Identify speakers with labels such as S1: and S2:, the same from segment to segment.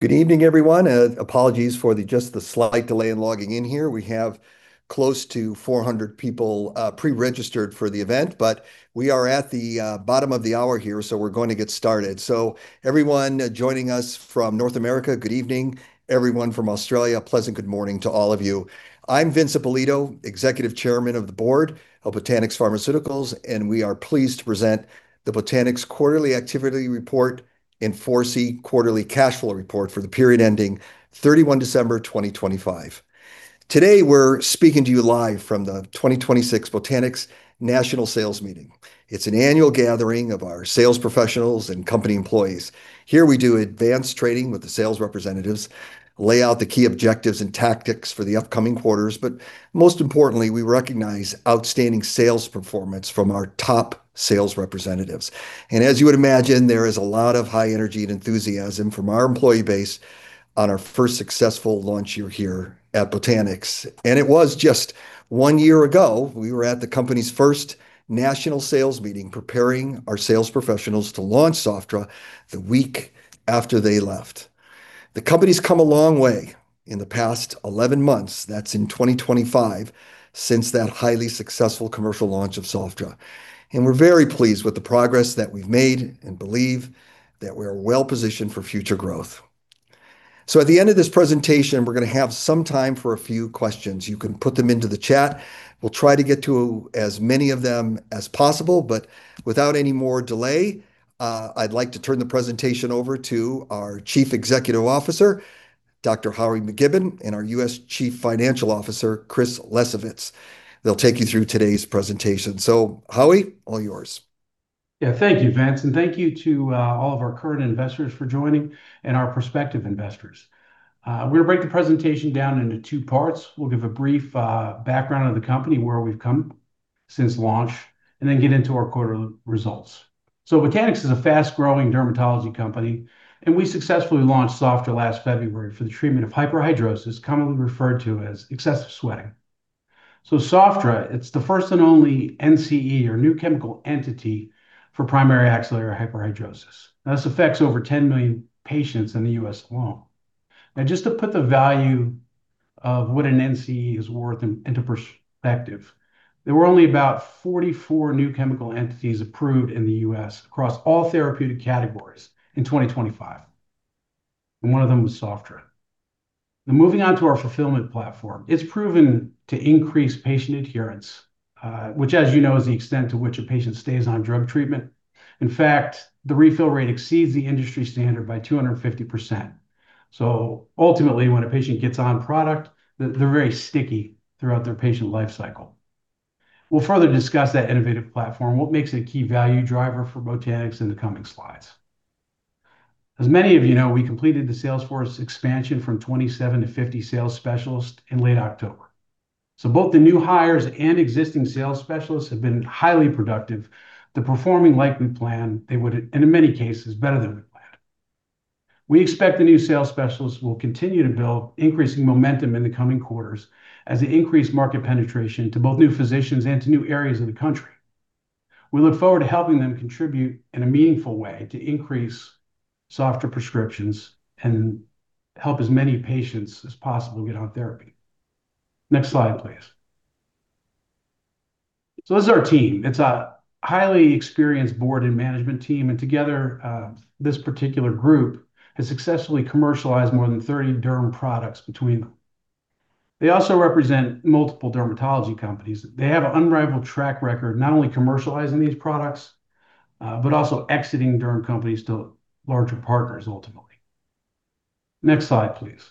S1: Good evening, everyone, apologies for just the slight delay in logging in here. We have close to 400 people pre-registered for the event, but we are at the bottom of the hour here, so we're going to get started. So everyone joining us from North America, good evening. Everyone from Australia, a pleasant good morning to all of you. I'm Vince Ippolito, Executive Chairman of the Board of Botanix Pharmaceuticals, and we are pleased to present the Botanix Quarterly Activity Report and 4C Quarterly Cash Flow Report for the period ending 31 December 2025. Today, we're speaking to you live from the 2026 Botanix National Sales Meeting. It's an annual gathering of our sales professionals and company employees. Here, we do advanced training with the sales representatives, lay out the key objectives and tactics for the upcoming quarters, but most importantly, we recognize outstanding sales performance from our top sales representatives. As you would imagine, there is a lot of high energy and enthusiasm from our employee base on our first successful launch year here at Botanix. It was just one year ago, we were at the company's first national sales meeting, preparing our sales professionals to launch Sofdra the week after they left. The company's come a long way in the past 11 months, that's in 2025, since that highly successful commercial launch of Sofdra, and we're very pleased with the progress that we've made and believe that we're well-positioned for future growth. At the end of this presentation, we're gonna have some time for a few questions. You can put them into the chat. We'll try to get to as many of them as possible, but without any more delay, I'd like to turn the presentation over to our Chief Executive Officer, Dr. Howie McKibbon, and our U.S. Chief Financial Officer, Chris Lesovitz. They'll take you through today's presentation. So Howie, all yours.
S2: Yeah, thank you, Vince, and thank you to all of our current investors for joining and our prospective investors. We're gonna break the presentation down into two parts. We'll give a brief background of the company, where we've come since launch, and then get into our quarter results. So Botanix is a fast-growing dermatology company, and we successfully launched Sofdra last February for the treatment of hyperhidrosis, commonly referred to as excessive sweating. So Sofdra, it's the first and only NCE, or new chemical entity, for primary axillary hyperhidrosis. This affects over 10 million patients in the U.S. alone. Now, just to put the value of what an NCE is worth in, into perspective, there were only about 44 new chemical entities approved in the U.S. across all therapeutic categories in 2025, and one of them was Sofdra. Now, moving on to our fulfillment platform, it's proven to increase patient adherence, which, as you know, is the extent to which a patient stays on drug treatment. In fact, the refill rate exceeds the industry standard by 250%. So ultimately, when a patient gets on product, they're very sticky throughout their patient life cycle. We'll further discuss that innovative platform, what makes it a key value driver for Botanix in the coming slides. As many of you know, we completed the sales force expansion from 27 to 50 sales specialists in late October. So both the new hires and existing sales specialists have been highly productive. They're performing like we planned they would, and in many cases, better than we planned. We expect the new sales specialists will continue to build increasing momentum in the coming quarters as they increase market penetration to both new physicians and to new areas of the country. We look forward to helping them contribute in a meaningful way to increase Sofdra prescriptions and help as many patients as possible get on therapy. Next slide, please. So this is our team. It's a highly experienced board and management team, and together, this particular group has successfully commercialized more than 30 derm products between them. They also represent multiple dermatology companies. They have an unrivaled track record, not only commercializing these products, but also exiting derm companies to larger partners ultimately. Next slide, please.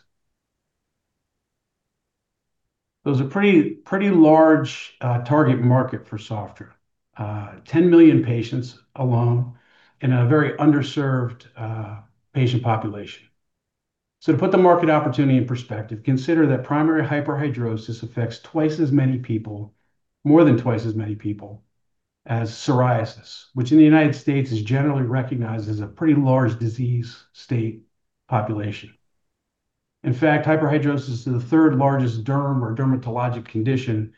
S2: There's a pretty, pretty large target market for Sofdra, 10 million patients alone in a very underserved patient population. So to put the market opportunity in perspective, consider that primary hyperhidrosis affects twice as many people, more than twice as many people, as psoriasis, which in the United States is generally recognized as a pretty large disease state population. In fact, hyperhidrosis is the third largest derm or dermatologic condition,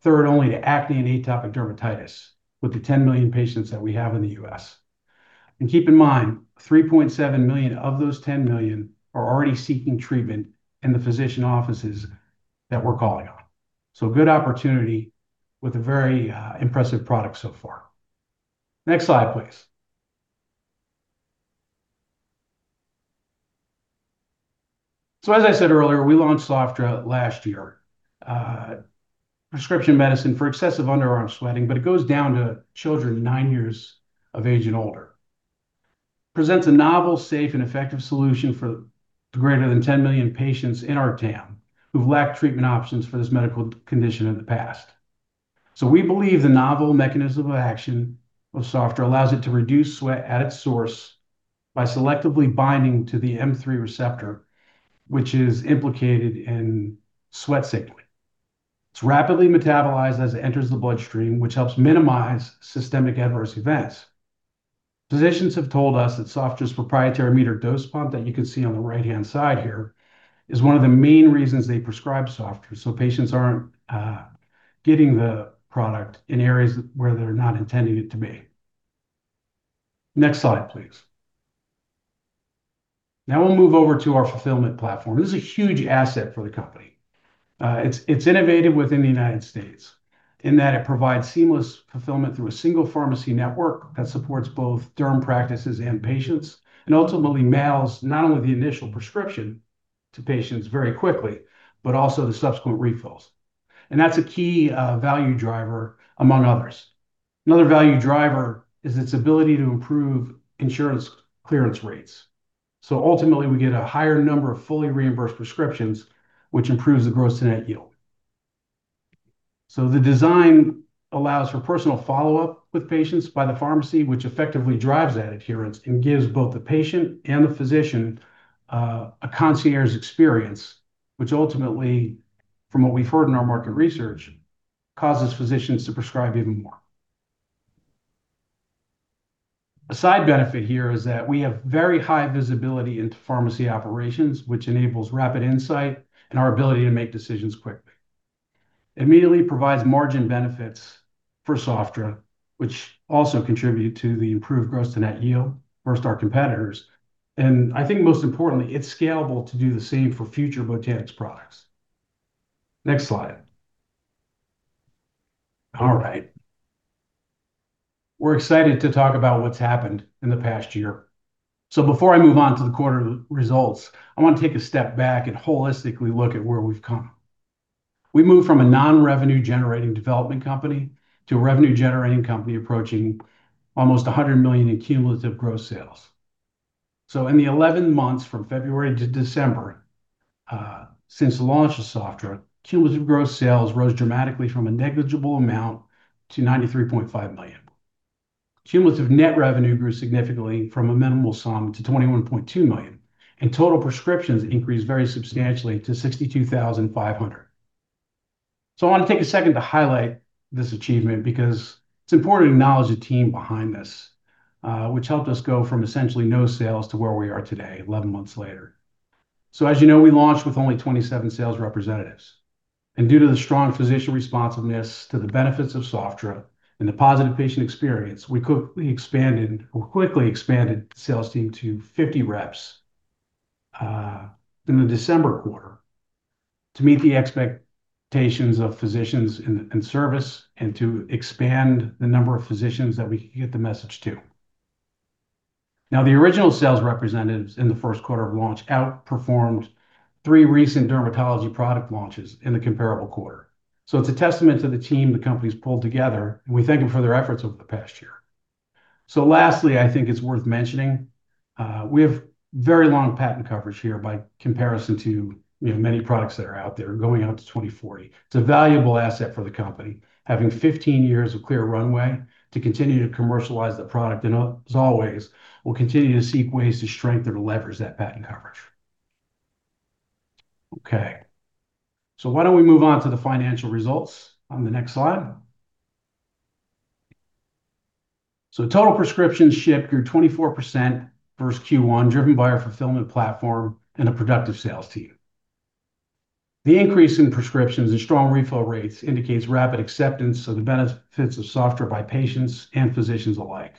S2: third only to acne and atopic dermatitis, with the 10 million patients that we have in the U.S. And keep in mind, 3.7 million of those 10 million are already seeking treatment in the physician offices that we're calling on. So a good opportunity with a very impressive product so far. Next slide, please. So as I said earlier, we launched Sofdra last year, prescription medicine for excessive underarm sweating, but it goes down to children 9 years of age and older. Presents a novel, safe, and effective solution for the greater than 10 million patients in our TAM, who've lacked treatment options for this medical condition in the past. So we believe the novel mechanism of action of Sofdra allows it to reduce sweat at its source by selectively binding to the M3 receptor, which is implicated in sweat signaling. It's rapidly metabolized as it enters the bloodstream, which helps minimize systemic adverse events. Physicians have told us that Sofdra's proprietary metered-dose pump, that you can see on the right-hand side here, is one of the main reasons they prescribe Sofdra, so patients aren't getting the product in areas where they're not intending it to be. Next slide, please. Now we'll move over to our fulfillment platform. This is a huge asset for the company. It's innovative within the United States, in that it provides seamless fulfillment through a single pharmacy network that supports both derm practices and patients, and ultimately mails not only the initial prescription to patients very quickly, but also the subsequent refills. That's a key value driver, among others. Another value driver is its ability to improve insurance clearance rates. Ultimately, we get a higher number of fully reimbursed prescriptions, which improves the gross-to-net yield. The design allows for personal follow-up with patients by the pharmacy, which effectively drives that adherence, and gives both the patient and the physician a concierge experience, which ultimately, from what we've heard in our market research, causes physicians to prescribe even more. A side benefit here is that we have very high visibility into pharmacy operations, which enables rapid insight and our ability to make decisions quickly. It immediately provides margin benefits for Sofdra, which also contribute to the improved gross-to-net yield versus our competitors. I think most importantly, it's scalable to do the same for future Botanix products. Next slide. All right. We're excited to talk about what's happened in the past year. Before I move on to the quarter results, I want to take a step back and holistically look at where we've come. We've moved from a non-revenue generating development company to a revenue-generating company approaching almost $100 million in cumulative gross sales. In the 11 months from February to December, since the launch of Sofdra, cumulative gross sales rose dramatically from a negligible amount to $93.5 million. Cumulative net revenue grew significantly from a minimal sum to $21.2 million, and total prescriptions increased very substantially to 62,500. So I want to take a second to highlight this achievement because it's important to acknowledge the team behind this, which helped us go from essentially no sales to where we are today, 11 months later. So as you know, we launched with only 27 sales representatives, and due to the strong physician responsiveness to the benefits of Sofdra and the positive patient experience, we quickly expanded, quickly expanded the sales team to 50 reps, in the December quarter to meet the expectations of physicians in, in service and to expand the number of physicians that we can get the message to. Now, the original sales representatives in the first quarter of launch outperformed 3 recent dermatology product launches in the comparable quarter. So it's a testament to the team the company's pulled together, and we thank them for their efforts over the past year. So lastly, I think it's worth mentioning, we have very long patent coverage here by comparison to, you know, many products that are out there, going out to 2040. It's a valuable asset for the company, having 15 years of clear runway to continue to commercialize the product, and as always, we'll continue to seek ways to strengthen or leverage that patent coverage. Okay, so why don't we move on to the financial results on the next slide? So total prescriptions shipped grew 24% versus Q1, driven by our fulfillment platform and a productive sales team. The increase in prescriptions and strong refill rates indicates rapid acceptance of the benefits of Sofdra by patients and physicians alike.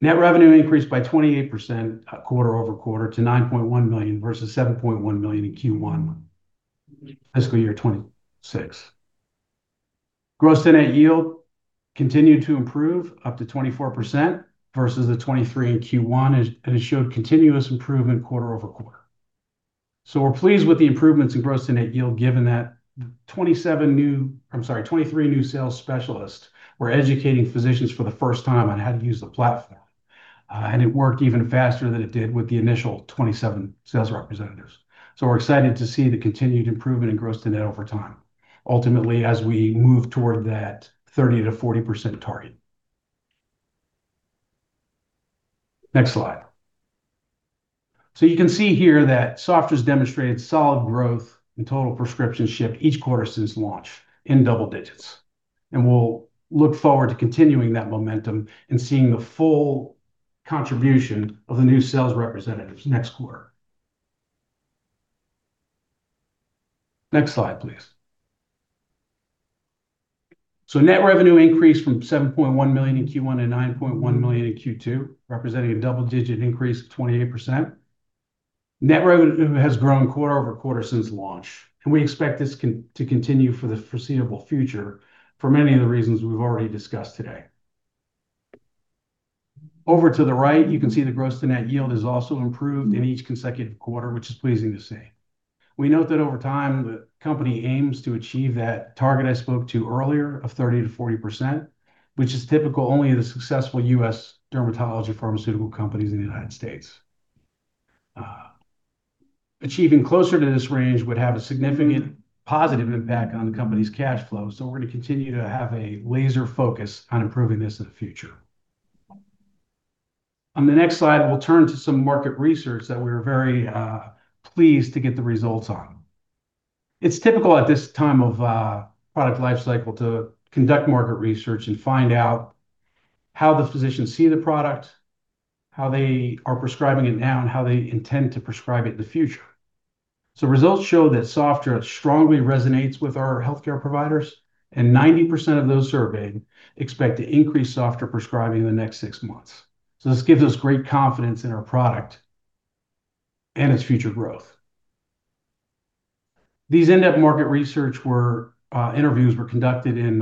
S2: Net revenue increased by 28%, quarter-over-quarter to $9.1 million versus $7.1 million in Q1, fiscal year 2026. Gross-to-net yield continued to improve up to 24% versus the 23% in Q1, and it showed continuous improvement quarter-over-quarter. So we're pleased with the improvements in gross-to-net yield, given that the... I'm sorry, 23 new sales specialists were educating physicians for the first time on how to use the platform. And it worked even faster than it did with the initial 27 sales representatives. So we're excited to see the continued improvement in gross-to-net over time, ultimately, as we move toward that 30%-40% target. Next slide. So you can see here that Sofdra's demonstrated solid growth in total prescriptions shipped each quarter since launch in double digits, and we'll look forward to continuing that momentum and seeing the full contribution of the new sales representatives next quarter. Next slide, please. So net revenue increased from $7.1 million in Q1 to $9.1 million in Q2, representing a double-digit increase of 28%. Net revenue has grown quarter-over-quarter since launch, and we expect this to continue for the foreseeable future for many of the reasons we've already discussed today. Over to the right, you can see the gross-to-net yield has also improved in each consecutive quarter, which is pleasing to see. We note that over time, the company aims to achieve that target I spoke to earlier of 30%-40%, which is typical only of the successful US dermatology pharmaceutical companies in the United States. Achieving closer to this range would have a significant positive impact on the company's cash flow, so we're going to continue to have a laser focus on improving this in the future. On the next slide, we'll turn to some market research that we're very pleased to get the results on. It's typical at this time of product life cycle to conduct market research and find out how the physicians see the product, how they are prescribing it now, and how they intend to prescribe it in the future. Results show that Sofdra strongly resonates with our healthcare providers, and 90% of those surveyed expect to increase Sofdra prescribing in the next six months. This gives us great confidence in our product and its future growth. These in-depth market research interviews were conducted in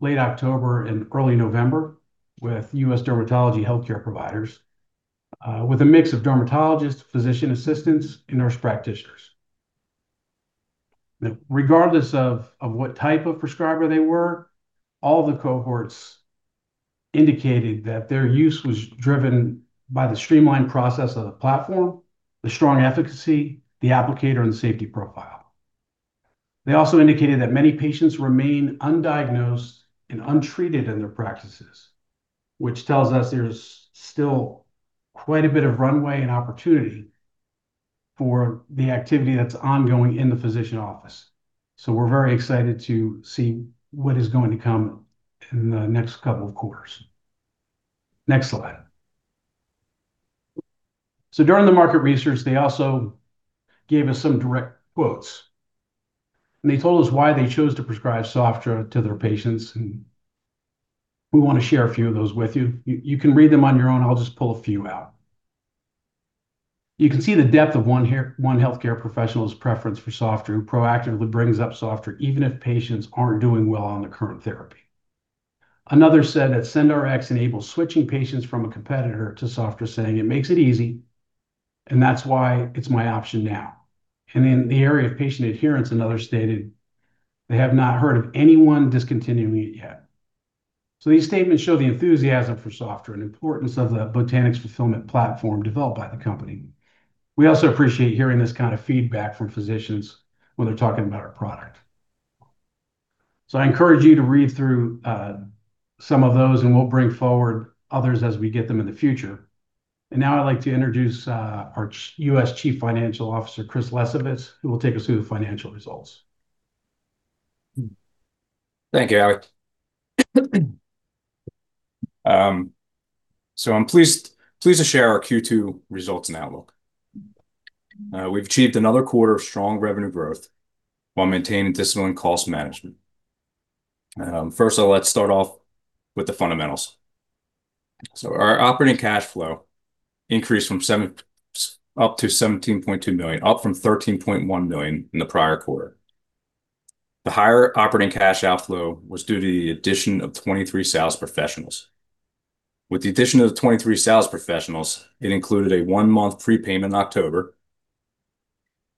S2: late October and early November with U.S. dermatology healthcare providers, with a mix of dermatologists, physician assistants, and nurse practitioners. Now, regardless of what type of prescriber they were, all the cohorts indicated that their use was driven by the streamlined process of the platform, the strong efficacy, the applicator, and the safety profile. They also indicated that many patients remain undiagnosed and untreated in their practices, which tells us there's still quite a bit of runway and opportunity for the activity that's ongoing in the physician office. So we're very excited to see what is going to come in the next couple of quarters. Next slide. So during the market research, they also gave us some direct quotes, and they told us why they chose to prescribe Sofdra to their patients, and we wanna share a few of those with you. You can read them on your own. I'll just pull a few out. You can see the depth of one healthcare professional's preference for Sofdra, who proactively brings up Sofdra, even if patients aren't doing well on the current therapy. Another said that SendRx enables switching patients from a competitor to Sofdra, saying, "It makes it easy, and that's why it's my option now." In the area of patient adherence, another stated they have not heard of anyone discontinuing it yet. These statements show the enthusiasm for Sofdra and importance of the Botanix fulfillment platform developed by the company. We also appreciate hearing this kind of feedback from physicians when they're talking about our product. I encourage you to read through some of those, and we'll bring forward others as we get them in the future. Now I'd like to introduce our US Chief Financial Officer, Chris Lesovitz, who will take us through the financial results.
S3: Thank you, Howie. So I'm pleased to share our Q2 results and outlook. We've achieved another quarter of strong revenue growth while maintaining disciplined cost management. First of all, let's start off with the fundamentals. Our operating cash flow increased from 7... up to $17.2 million, up from $13.1 million in the prior quarter. The higher operating cash outflow was due to the addition of 23 sales professionals. With the addition of the 23 sales professionals, it included a one-month prepayment in October.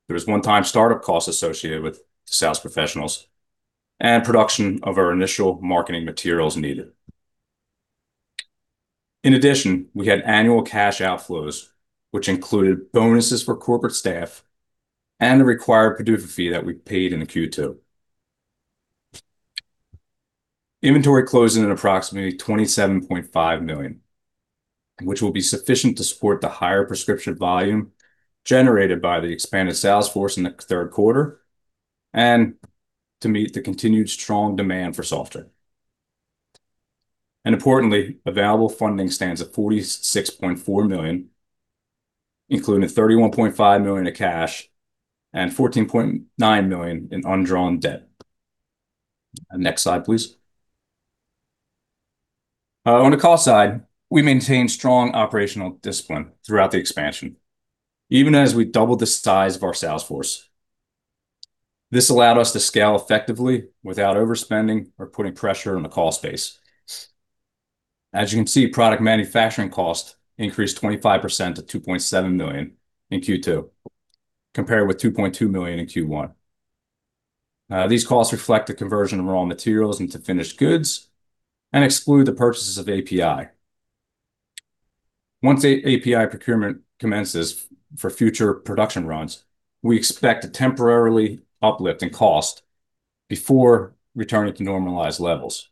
S3: There was one-time start-up costs associated with the sales professionals and production of our initial marketing materials needed. In addition, we had annual cash outflows, which included bonuses for corporate staff and the required PDUFA fee that we paid in the Q2. Inventory closed in at approximately $27.5 million, which will be sufficient to support the higher prescription volume generated by the expanded sales force in the 3rd quarter, and to meet the continued strong demand for Sofdra. And importantly, available funding stands at $46.4 million, including $31.5 million in cash and $14.9 million in undrawn debt. Next slide, please. On the cost side, we maintained strong operational discipline throughout the expansion, even as we doubled the size of our sales force. This allowed us to scale effectively without overspending or putting pressure on the cash space. As you can see, product manufacturing cost increased 25% to $2.7 million in Q2, compared with $2.2 million in Q1. These costs reflect the conversion of raw materials into finished goods and exclude the purchases of API. Once API procurement commences for future production runs, we expect a temporary uplift in cost before returning to normalized levels.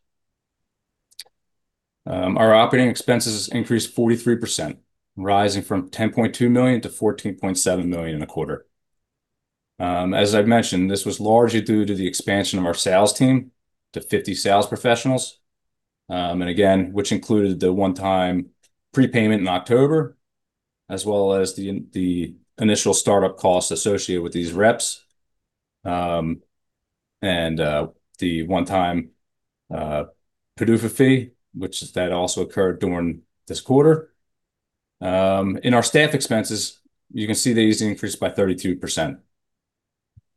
S3: Our operating expenses increased 43%, rising from 10.2 million to 14.7 million in a quarter. As I've mentioned, this was largely due to the expansion of our sales team to 50 sales professionals, and again, which included the one-time prepayment in October, as well as the initial start-up costs associated with these reps, and the one-time PDUFA fee, which also occurred during this quarter. In our staff expenses, you can see these increased by 32%.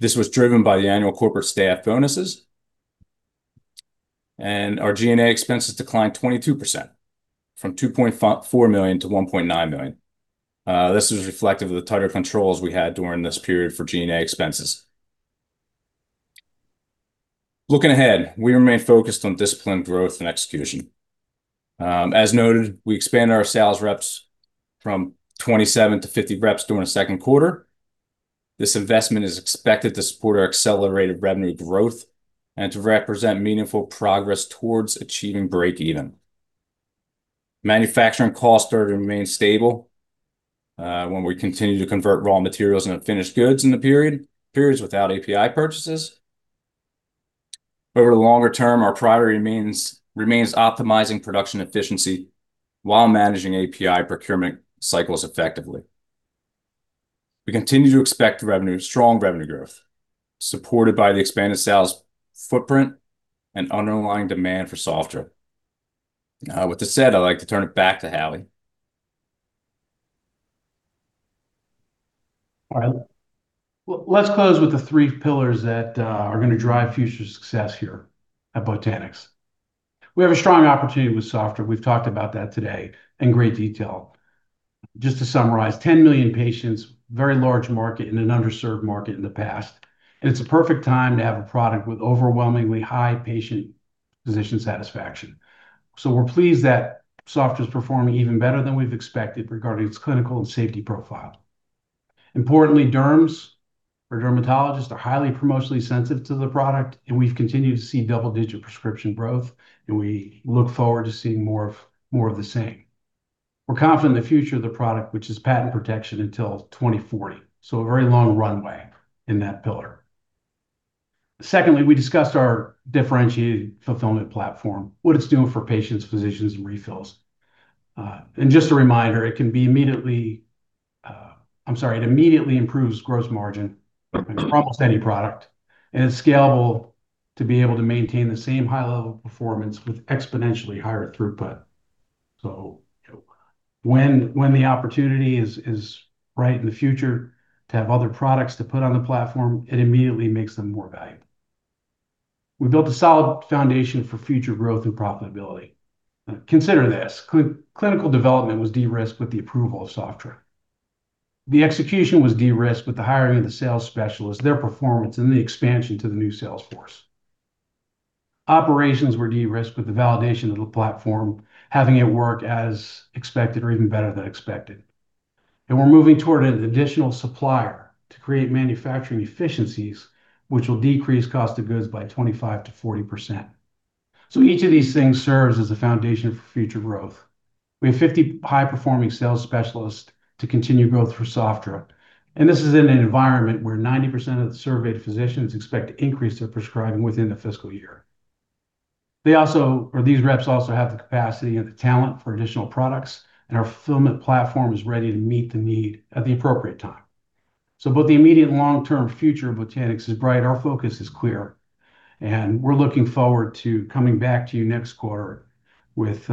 S3: This was driven by the annual corporate staff bonuses, and our G&A expenses declined 22%, from 2.4 million to 1.9 million. This is reflective of the tighter controls we had during this period for G&A expenses. Looking ahead, we remain focused on disciplined growth and execution. As noted, we expanded our sales reps from 27 to 50 reps during the second quarter. This investment is expected to support our accelerated revenue growth and to represent meaningful progress towards achieving break-even. Manufacturing costs are to remain stable when we continue to convert raw materials into finished goods in the periods without API purchases. Over the longer term, our priority remains optimizing production efficiency while managing API procurement cycles effectively. We continue to expect strong revenue growth, supported by the expanded sales footprint and underlying demand for Sofdra. With that said, I'd like to turn it back to Howie.
S2: All right. Well, let's close with the three pillars that are gonna drive future success here at Botanix. We have a strong opportunity with Sofdra. We've talked about that today in great detail. Just to summarize, 10 million patients, very large market, and an underserved market in the past. And it's a perfect time to have a product with overwhelmingly high patient physician satisfaction. So we're pleased that Sofdra is performing even better than we've expected regarding its clinical and safety profile. Importantly, derms or dermatologists are highly promotionally sensitive to the product, and we've continued to see double-digit prescription growth, and we look forward to seeing more of, more of the same. We're confident in the future of the product, which is patent protection until 2040, so a very long runway in that pillar. Secondly, we discussed our differentiated fulfillment platform, what it's doing for patients, physicians, and refills. And just a reminder, it immediately improves gross margin for almost any product, and it's scalable to be able to maintain the same high level of performance with exponentially higher throughput. So when the opportunity is right in the future to have other products to put on the platform, it immediately makes them more valuable. We've built a solid foundation for future growth and profitability. Consider this, clinical development was de-risked with the approval of Sofdra. The execution was de-risked with the hiring of the sales specialists, their performance, and the expansion to the new sales force. Operations were de-risked with the validation of the platform, having it work as expected or even better than expected. We're moving toward an additional supplier to create manufacturing efficiencies, which will decrease cost of goods by 25%-40%. Each of these things serves as a foundation for future growth. We have 50 high-performing sales specialists to continue growth for Sofdra, and this is in an environment where 90% of the surveyed physicians expect to increase their prescribing within the fiscal year. These reps also have the capacity and the talent for additional products, and our fulfillment platform is ready to meet the need at the appropriate time. Both the immediate long-term future of Botanix is bright. Our focus is clear, and we're looking forward to coming back to you next quarter with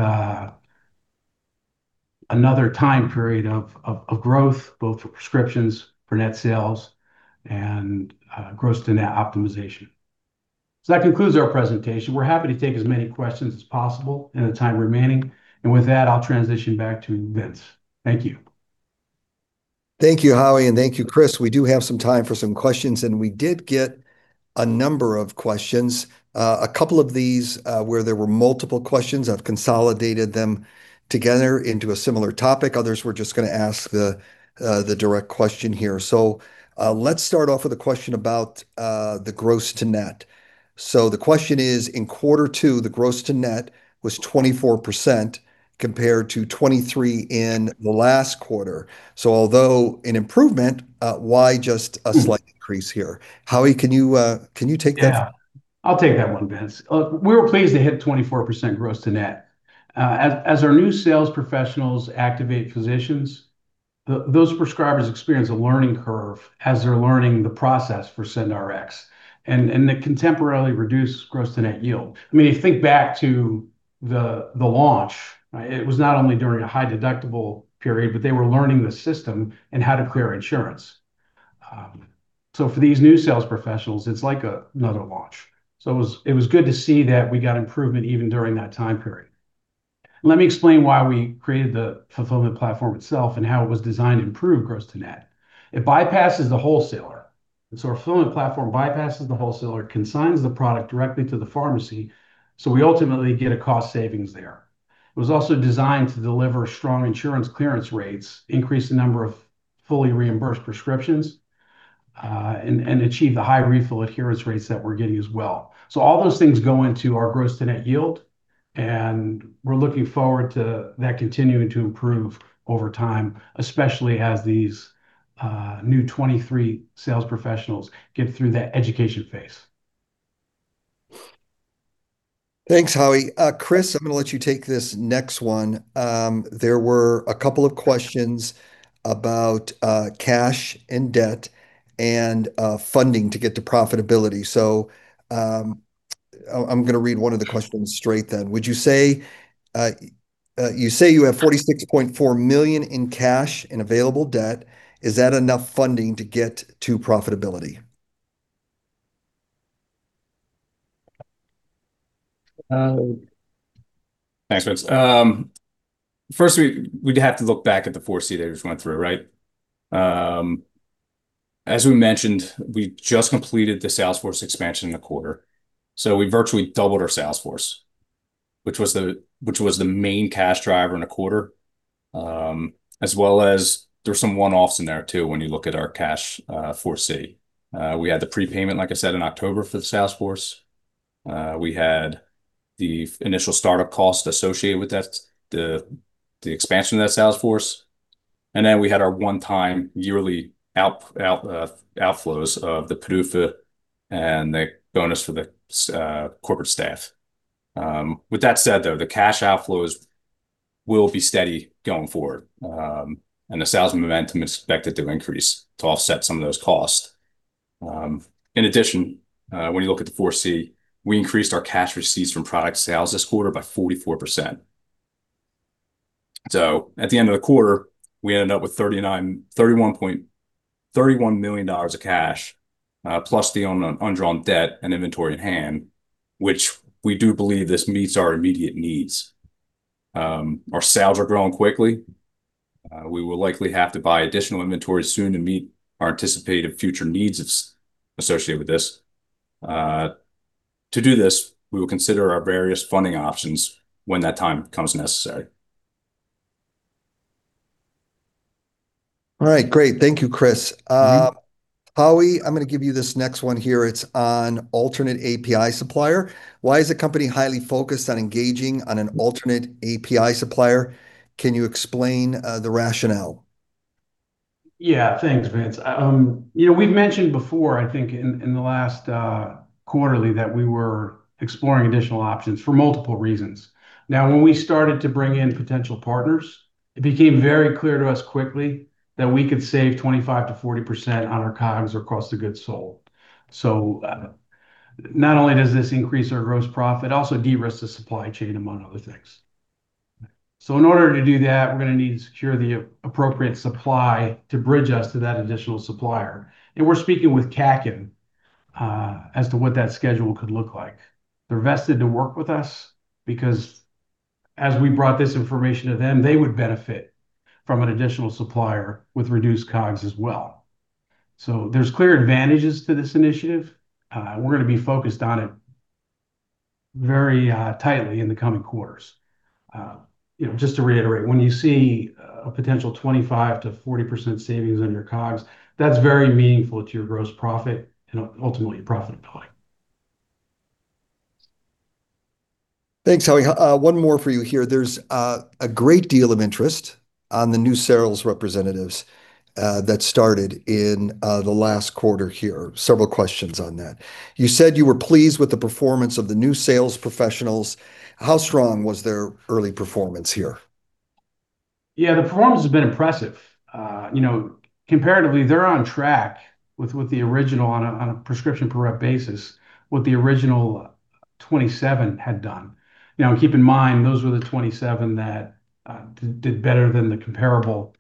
S2: another time period of growth, both for prescriptions, for net sales, and gross-to-net optimization. That concludes our presentation. We're happy to take as many questions as possible in the time remaining, and with that, I'll transition back to Vince. Thank you.
S1: Thank you, Howie, and thank you, Chris. We do have some time for some questions, and we did get a number of questions. A couple of these, where there were multiple questions, I've consolidated them together into a similar topic. Others were just gonna ask the direct question here. So, let's start off with a question about the gross-to-net. So the question is, in quarter two, the gross-to-net was 24% compared to 23% in the last quarter. So although an improvement, why just a slight increase here? Howie, can you take that?
S2: Yeah. I'll take that one, Vince. We were pleased to hit 24% gross-to-net. As our new sales professionals activate physicians, those prescribers experience a learning curve as they're learning the process for SendRx, and it can temporarily reduce gross-to-net yield. I mean, if you think back to the launch, it was not only during a high deductible period, but they were learning the system and how to clear insurance. So for these new sales professionals, it's like another launch. So it was good to see that we got improvement even during that time period. Let me explain why we created the fulfillment platform itself and how it was designed to improve gross-to-net. It bypasses the wholesaler, so our fulfillment platform bypasses the wholesaler, consigns the product directly to the pharmacy, so we ultimately get a cost savings there. It was also designed to deliver strong insurance clearance rates, increase the number of fully reimbursed prescriptions, and achieve the high refill adherence rates that we're getting as well. So all those things go into our gross-to-net yield, and we're looking forward to that continuing to improve over time, especially as these new 23 sales professionals get through that education phase.
S1: Thanks, Howie. Chris, I'm gonna let you take this next one. There were a couple of questions about cash and debt and funding to get to profitability. So, I'm gonna read one of the questions straight then. Would you say you say you have 46.4 million in cash and available debt. Is that enough funding to get to profitability?
S3: Thanks, Vince. First, we'd have to look back at the 4C I just went through, right? As we mentioned, we just completed the sales force expansion in the quarter. So we virtually doubled our sales force, which was the main cash driver in the quarter. As well as there's some one-offs in there, too, when you look at our cash 4C. We had the prepayment, like I said, in October for the sales force. We had the initial start-up cost associated with that, the expansion of that sales force... and then we had our one-time yearly outflows of the PDUFA and the bonus for the corporate staff. With that said, though, the cash outflows will be steady going forward, and the sales momentum is expected to increase to offset some of those costs. In addition, when you look at the 4C, we increased our cash receipts from product sales this quarter by 44%. So at the end of the quarter, we ended up with $31.31 million of cash, plus the undrawn debt and inventory at hand, which we do believe this meets our immediate needs. Our sales are growing quickly. We will likely have to buy additional inventory soon to meet our anticipated future needs that's associated with this. To do this, we will consider our various funding options when that time comes necessary.
S1: All right, great. Thank you, Chris.
S3: Mm-hmm.
S1: Howie, I'm going to give you this next one here. It's on alternate API supplier. Why is the company highly focused on engaging on an alternate API supplier? Can you explain the rationale?
S2: Yeah. Thanks, Vince. You know, we've mentioned before, I think, in the last quarterly, that we were exploring additional options for multiple reasons. Now, when we started to bring in potential partners, it became very clear to us quickly that we could save 25%-40% on our COGS or cost of goods sold. So, not only does this increase our gross profit, it also de-risks the supply chain, among other things. So in order to do that, we're going to need to secure the appropriate supply to bridge us to that additional supplier, and we're speaking with Kaken as to what that schedule could look like. They're vested to work with us because as we brought this information to them, they would benefit from an additional supplier with reduced COGS as well. So there's clear advantages to this initiative. We're going to be focused on it very tightly in the coming quarters. You know, just to reiterate, when you see a potential 25%-40% savings on your COGS, that's very meaningful to your gross profit and ultimately, your profit point.
S1: Thanks, Howie. One more for you here. There's a great deal of interest on the new sales representatives that started in the last quarter here. Several questions on that. You said you were pleased with the performance of the new sales professionals. How strong was their early performance here?
S2: Yeah, the performance has been impressive. You know, comparatively, they're on track with the original on a prescription per rep basis, what the original 27 had done. Now, keep in mind, those were the 27 that did better than the comparable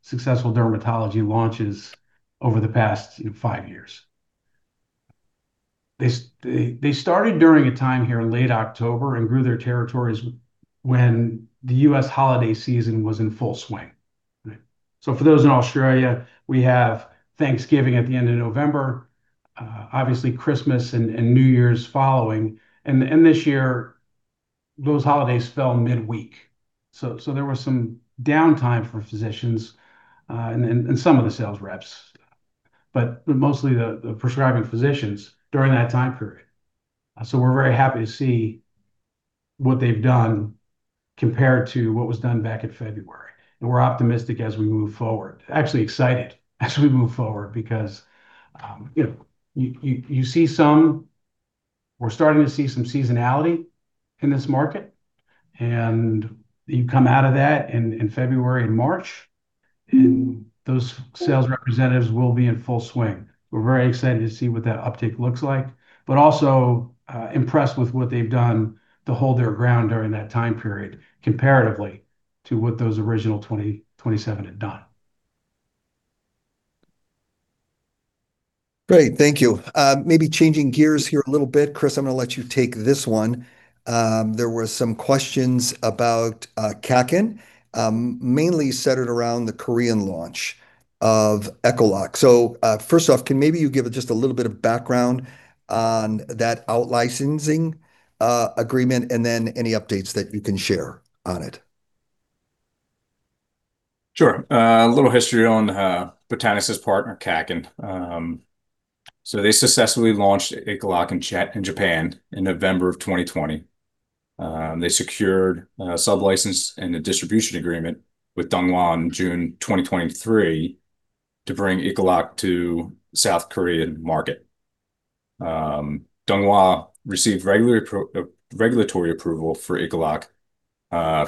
S2: successful dermatology launches over the past, you know, five years. They started during a time here in late October and grew their territories when the U.S. holiday season was in full swing, right? So for those in Australia, we have Thanksgiving at the end of November, obviously Christmas and New Year's following. And this year, those holidays fell midweek, so there was some downtime for physicians and some of the sales reps, but mostly the prescribing physicians during that time period. So we're very happy to see what they've done compared to what was done back in February, and we're optimistic as we move forward. Actually excited as we move forward because, you know, you see some... We're starting to see some seasonality in this market, and you come out of that in February and March, and those sales representatives will be in full swing. We're very excited to see what that uptick looks like, but also, impressed with what they've done to hold their ground during that time period, comparatively to what those original 2027 had done.
S1: Great, thank you. Maybe changing gears here a little bit. Chris, I'm going to let you take this one. There were some questions about Kaken, mainly centered around the Korean launch of ECCLOCK. So, first off, can maybe you give just a little bit of background on that out licensing agreement, and then any updates that you can share on it?
S3: Sure. A little history on Botanix's partner, Kaken. So they successfully launched ECCLOCK in Japan in November 2020. They secured a sub-license and a distribution agreement with Dongwha in June 2023 to bring ECCLOCK to South Korean market. Dongwha received regulatory approval for ECCLOCK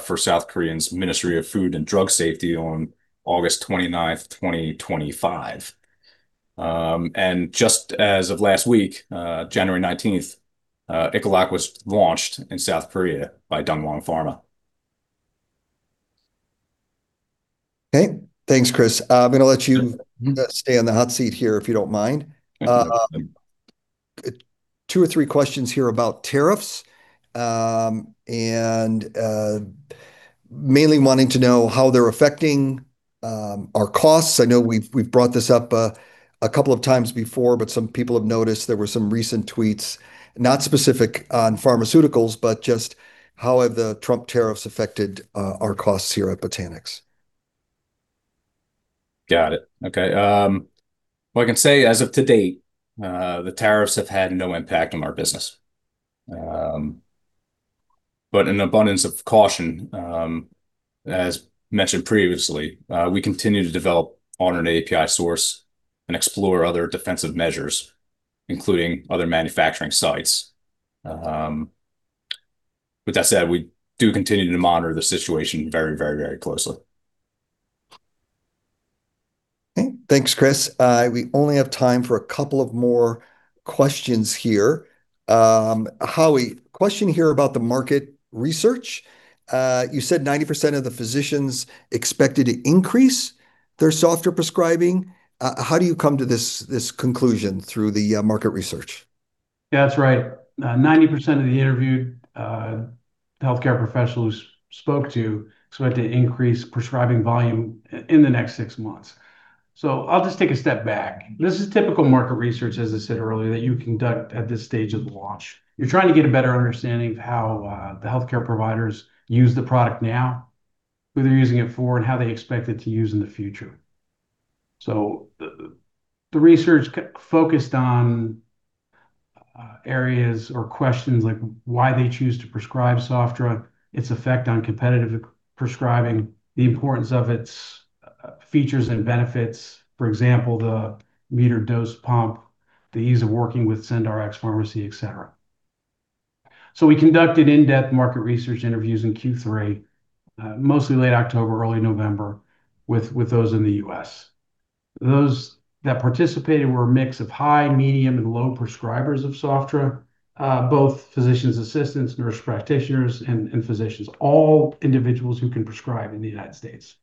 S3: for South Korea's Ministry of Food and Drug Safety on August 29, 2025. And just as of last week, January 19, ECCLOCK was launched in South Korea by Dongwha Pharma.
S1: Okay. Thanks, Chris. I'm going to let you-
S3: Mm-hmm...
S1: stay in the hot seat here, if you don't mind.
S3: Thank you.
S1: Two or three questions here about tariffs, and mainly wanting to know how they're affecting our costs. I know we've, we've brought this up a couple of times before, but some people have noticed there were some recent tweets, not specific on pharmaceuticals, but just how have the Trump tariffs affected our costs here at Botanix?
S3: Got it. Okay, what I can say, as of to date, the tariffs have had no impact on our business. But in abundance of caution, as mentioned previously, we continue to develop on an API source and explore other defensive measures, including other manufacturing sites. With that said, we do continue to monitor the situation very, very, very closely.
S1: Okay. Thanks, Chris. We only have time for a couple of more questions here. Howie, question here about the market research. You said 90% of the physicians expected to increase their Sofdra prescribing. How do you come to this conclusion through the market research?
S2: That's right. 90% of the interviewed healthcare professionals spoken to had to increase prescribing volume in the next six months. So I'll just take a step back. This is typical market research, as I said earlier, that you conduct at this stage of the launch. You're trying to get a better understanding of how the healthcare providers use the product now, who they're using it for, and how they expect it to use in the future. So the research focused on areas or questions like why they choose to prescribe Sofdra, its effect on competitive prescribing, the importance of its features and benefits. For example, the metered-dose pump, the ease of working with SendRx Pharmacy, et cetera. So we conducted in-depth market research interviews in Q3, mostly late October, early November, with those in the U.S. Those that participated were a mix of high, medium, and low prescribers of Sofdra, both physician assistants, nurse practitioners, and physicians, all individuals who can prescribe in the United States.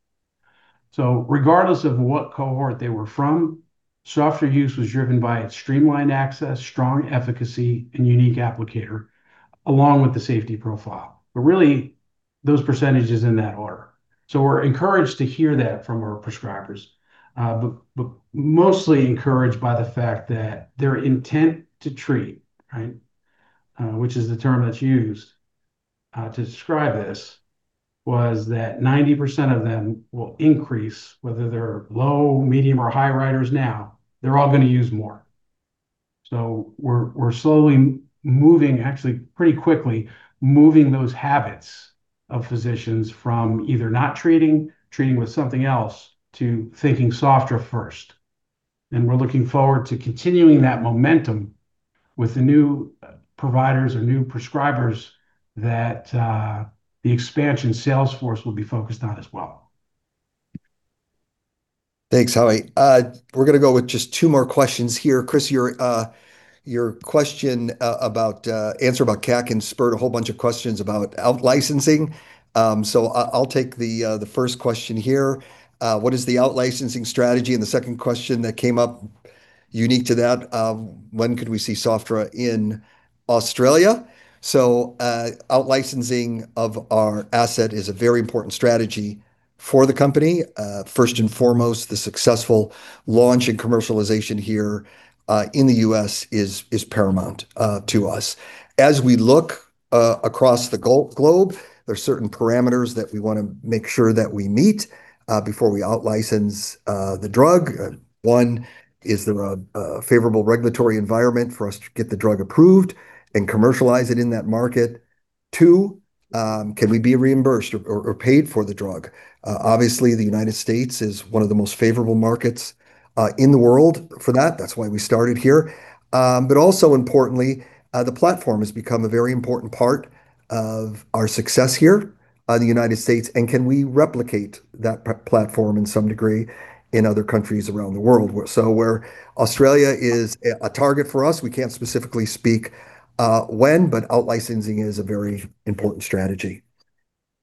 S2: So regardless of what cohort they were from, Sofdra use was driven by its streamlined access, strong efficacy, and unique applicator, along with the safety profile. But really, those percentages in that order. So we're encouraged to hear that from our prescribers, but mostly encouraged by the fact that their intent to treat, right? Which is the term that's used to describe this, was that 90% of them will increase, whether they're low, medium, or high riders now, they're all gonna use more. So we're slowly moving, actually pretty quickly, moving those habits of physicians from either not treating, treating with something else, to thinking Sofdra first. We're looking forward to continuing that momentum with the new providers or new prescribers that the expansion sales force will be focused on as well.
S1: Thanks, Howie. We're gonna go with just two more questions here. Chris, your your question answer about Kaken spurred a whole bunch of questions about out-licensing. So I, I'll take the the first question here. What is the out-licensing strategy? And the second question that came up unique to that, when could we see Sofdra in Australia? So out-licensing of our asset is a very important strategy for the company. First and foremost, the successful launch and commercialization here in the U.S. is, is paramount to us. As we look across the globe, there are certain parameters that we wanna make sure that we meet before we out-license the drug. One, is there a favorable regulatory environment for us to get the drug approved and commercialize it in that market? Two, can we be reimbursed or paid for the drug? Obviously, the United States is one of the most favorable markets in the world for that. That's why we started here. But also importantly, the platform has become a very important part of our success here, the United States, and can we replicate that platform in some degree in other countries around the world? So where Australia is a target for us, we can't specifically speak when, but out-licensing is a very important strategy.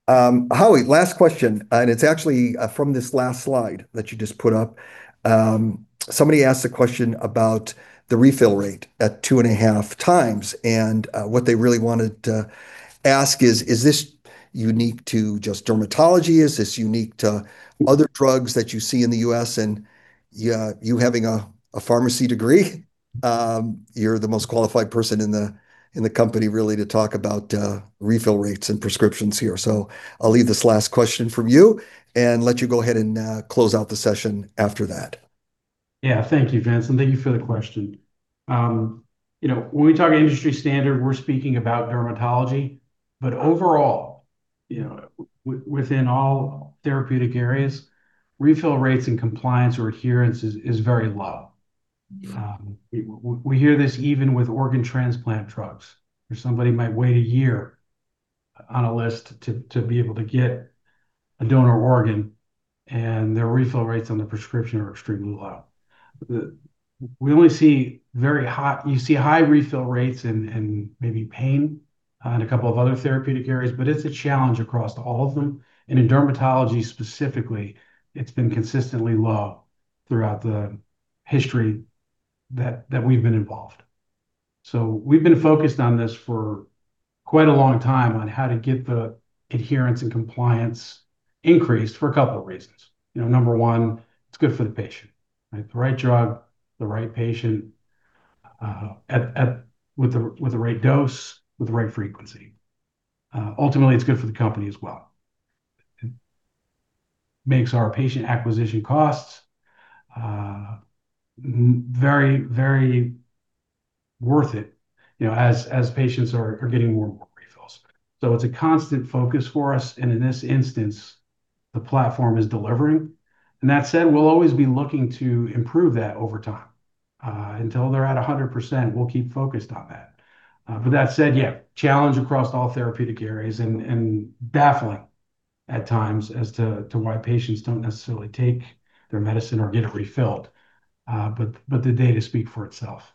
S1: Howie, last question, and it's actually from this last slide that you just put up. Somebody asked a question about the refill rate at 2.5 times, and what they really wanted to ask is, is this unique to just dermatology? Is this unique to other drugs that you see in the US? And you having a pharmacy degree, you're the most qualified person in the company, really, to talk about refill rates and prescriptions here. So I'll leave this last question from you and let you go ahead and close out the session after that.
S2: Yeah. Thank you, Vince, and thank you for the question. You know, when we talk industry standard, we're speaking about dermatology, but overall, you know, within all therapeutic areas, refill rates and compliance or adherence is very low. We hear this even with organ transplant drugs, where somebody might wait a year on a list to be able to get a donor organ, and their refill rates on the prescription are extremely low. We only see very high refill rates and maybe pain in a couple of other therapeutic areas, but it's a challenge across all of them. In dermatology, specifically, it's been consistently low throughout the history that we've been involved. So we've been focused on this for quite a long time, on how to get the adherence and compliance increased for a couple of reasons. You know, number one, it's good for the patient, right? The right drug, the right patient, with the right dose, with the right frequency. Ultimately, it's good for the company as well. It makes our patient acquisition costs very, very worth it, you know, as patients are getting more and more refills. So it's a constant focus for us, and in this instance, the platform is delivering. And that said, we'll always be looking to improve that over time. Until they're at 100%, we'll keep focused on that. But that said, yeah, challenge across all therapeutic areas and baffling at times as to why patients don't necessarily take their medicine or get it refilled, but the data speak for itself.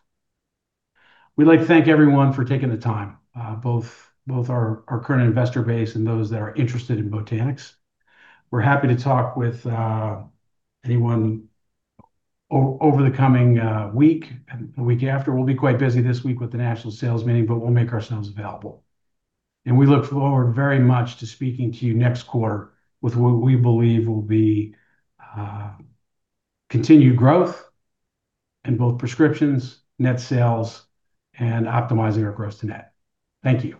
S2: We'd like to thank everyone for taking the time, both our current investor base and those that are interested in Botanix. We're happy to talk with anyone over the coming week and the week after. We'll be quite busy this week with the national sales meeting, but we'll make ourselves available. And we look forward very much to speaking to you next quarter with what we believe will be continued growth in both prescriptions, net sales, and optimizing our gross-to-net. Thank you.